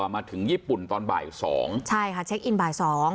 มาถึงญี่ปุ่นตอนบ่ายสองใช่ค่ะเช็คอินบ่ายสอง